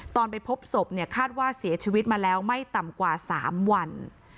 ไปพบศพเนี่ยคาดว่าเสียชีวิตมาแล้วไม่ต่ำกว่า๓วัน